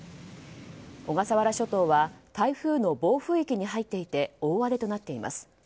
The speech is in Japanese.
小笠原諸島は台風の暴風域に入っていて大荒れとなっています。